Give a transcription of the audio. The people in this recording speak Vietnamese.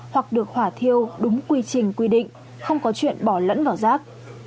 hoặc được hỏa thiêu đúng quy trình quy định không có chuyện bỏ lẫn vào rác